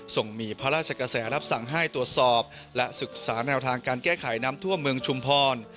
ส่งมีพระราชกระแสรับสั่งให้ตรวจสอบและศึกษาแนวทางการแก้ไขน้ำท่วมเมืองชุมพร